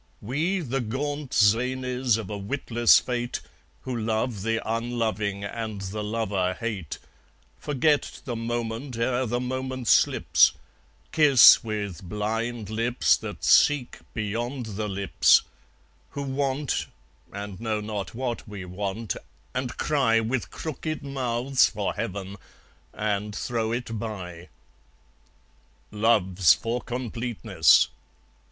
We, the gaunt zanies of a witless Fate, Who love the unloving and lover hate, Forget the moment ere the moment slips, Kiss with blind lips that seek beyond the lips, Who want, and know not what we want, and cry With crooked mouths for Heaven, and throw it by. Love's for completeness!